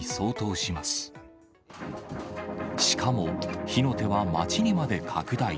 しかも、火の手は街にまで拡大。